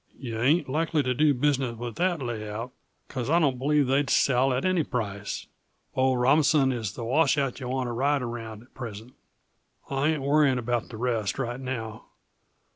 "Yuh ain't likely to do business with that layout, because I don't believe they'd sell at any price. Old Robinson is the washout yuh want to ride around at present; I ain't worrying about the rest, right now.